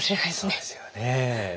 そうですよね。